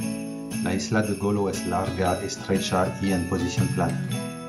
La isla de Golo es larga, estrecha y en posición plana.